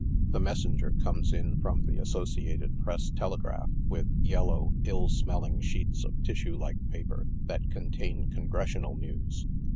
The messenger comes in from the Associated Press Telegraph with yellow, ill smelling sheets of tissue like paper, that contain Congressional news.